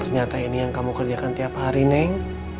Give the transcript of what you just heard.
ternyata ini yang kamu kerjakan tiap hari neng